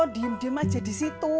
diam diam aja di situ